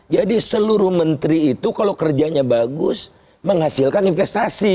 jadi seluruh menteri itu kalau kerjanya bagus menghasilkan investasi